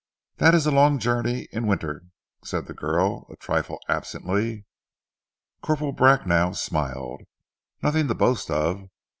"That is a long journey in winter," said the girl a trifle absently. Corporal Bracknell smiled. "Nothing to boast of.